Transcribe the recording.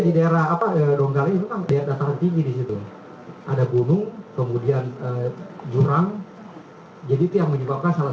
di daerah daerah tinggi di situ ada gunung kemudian jurang jadi yang menyebabkan salah